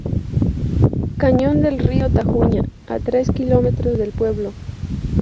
Cañón del río Tajuña, a tres kilómetros del pueblo.